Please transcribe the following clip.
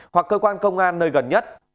hoặc cơ quan công an nơi gần nhất